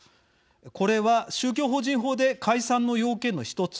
これは宗教法人法で解散の要件の１つ。